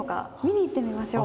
行ってみましょう。